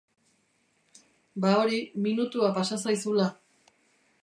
Ba hori, minutua pasa zaizula.